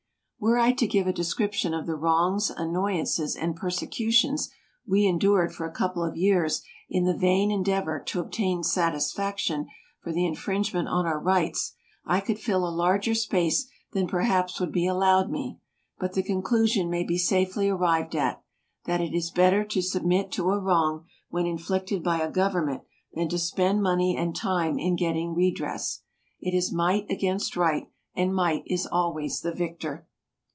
Were I to give a description of the wrongs, annoyances and persecutions we endured for a couple of years in the vain endeavor to obtain satisfaction for the infringement on our rights, I could fill a larger space than perhaps would be allowed me; but the conclusion may be safely arrived at, that it is better to submit to a SKETCHES OF TRAVEL wrong when inflicted by a government, than to spend money and time in getting redress. It is might against right, and might is always the victor.